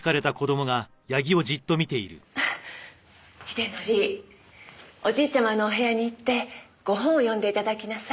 英則おじいちゃまのお部屋に行ってご本を読んでいただきなさい。